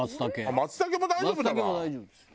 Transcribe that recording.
松茸も大丈夫だわ。